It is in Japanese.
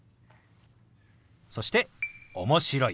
そして「面白い」。